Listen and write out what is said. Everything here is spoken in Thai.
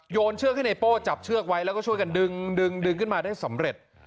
เชือกให้ไนโป้จับเชือกไว้แล้วก็ช่วยกันดึงดึงขึ้นมาได้สำเร็จ